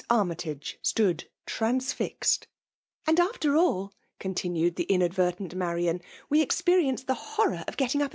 Army tage stood transfixed ! :i ■ ''And after all,"^ continued the.iaadYertent; Marian, " we experienced the horror of getting up.